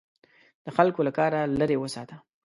د خلکو له کاره لیرې وساته.